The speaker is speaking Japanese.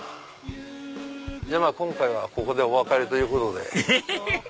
じゃまぁ今回はここでお別れということで。